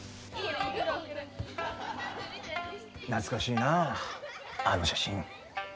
懐かしいなあの写真。